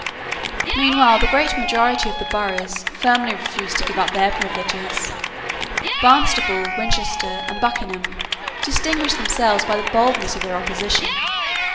Meanwhile the great majority of the boroughs firmly refused to give up their privileges. Barnstaple, Winchester, and Buckingham, distinguished themselves by the boldness of their opposition.